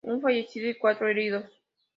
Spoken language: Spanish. Un fallecido y cuatro heridos.